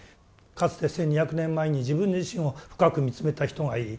かつて１２００年前に自分自身を深く見つめた人がいる。